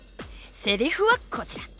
セリフはこちら。